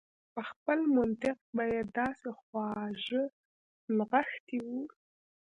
په خپل منطق به يې داسې خواږه نغښتي و.